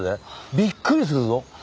びっくりするぞ。